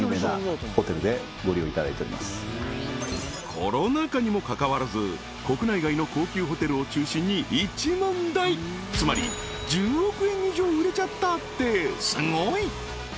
コロナ禍にもかかわらず国内外の高級ホテルを中心に１万台つまり１０億円以上売れちゃったってすごい！